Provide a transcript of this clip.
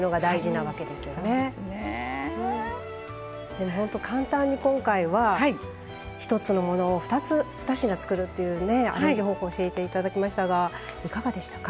でもほんと簡単に今回は１つのものを２つ２品作るっていうねアレンジ方法教えて頂きましたがいかがでしたか？